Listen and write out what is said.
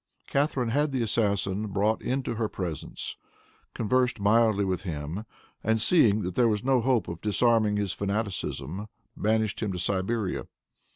Catharine had the assassin brought into her presence, conversed mildly with him, and seeing that there was no hope of disarming his fanaticism, banished him to Siberia.